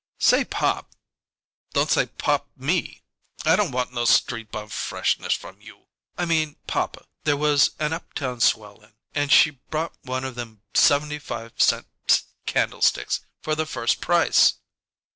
"Say, pop " "Don't 'say, pop' me! I don't want no street bum freshness from you!" "I mean, papa, there was an up town swell in, and she bought one of them seventy five cent candlesticks for the first price."